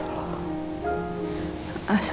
assalamu'alaikum warahmatullahi wabarakatuh